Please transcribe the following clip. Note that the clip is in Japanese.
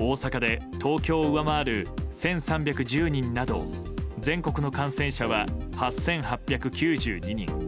大阪で、東京を上回る１３１０人など全国の感染者は８８９２人。